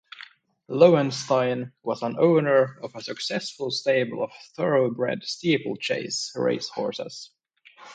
Loewenstein was an owner of a successful stable of Thoroughbred steeplechase race horses.